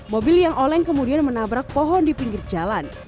mobil yang oleng kemudian menabrak pohon di pinggir jalan